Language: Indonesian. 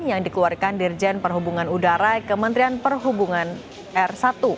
yang dikeluarkan dirjen perhubungan udara kementerian perhubungan r satu